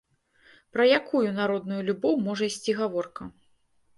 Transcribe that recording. Пра якую народную любоў можа ісці гаворка?